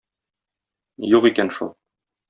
Юк икән шул.